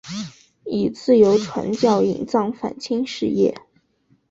以自由传教隐藏反清事业。